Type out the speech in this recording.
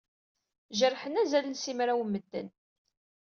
Jerḥen azal n simraw n medden.